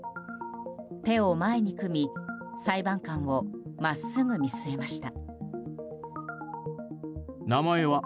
手を前に組み裁判官を真っすぐ見据えました。